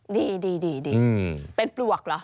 ดีเป็นปลวกเหรอ